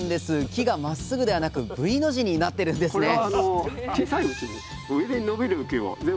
木がまっすぐではなくＶの字になってるんですね